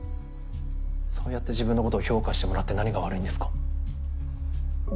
そうやって自分のことを評価してもらって何が悪いんですか？